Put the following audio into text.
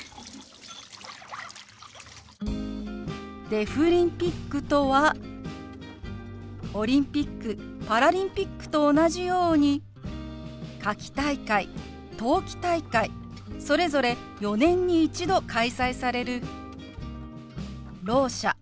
「デフリンピック」とはオリンピックパラリンピックと同じように夏季大会冬季大会それぞれ４年に一度開催されるろう者